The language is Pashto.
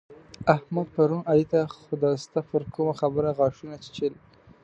احمد پرون علي ته خداسته پر کومه خبره غاښونه چيچل.